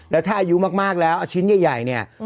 แล้วถ้าอายุมากแล้วเอาชิ้นใหญ่เนี่ย